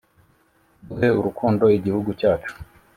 duhe urukundo igihugu cyacu